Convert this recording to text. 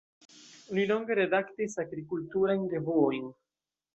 Li longe redaktis agrikulturajn revuojn.